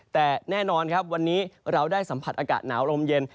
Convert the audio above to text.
แต่แน่นอนครับวันนี้เราได้สัมผัสอากาศหนาวลมเย็น